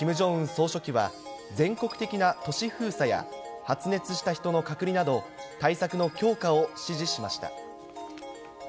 総書記は、全国的な都市封鎖や発熱した人の隔離など、対策の強化を指示しました。